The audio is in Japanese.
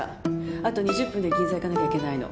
あと２０分で銀座行かなきゃいけないの。